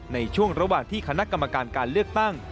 ในช่วงระหว่างที่คณะกรรมการการเลือกตั้ง